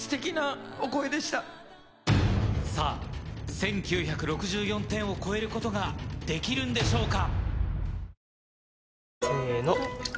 １９６４点を超えることができるんでしょうか？